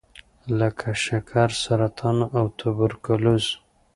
لکه شکر، سرطان او توبرکلوز.